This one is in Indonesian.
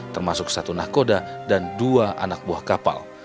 termasuk satu nahkoda dan dua anak buah kapal